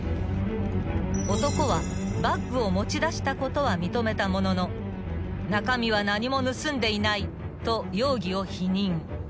［男はバッグを持ち出したことは認めたものの中身は何も盗んでいないと容疑を否認］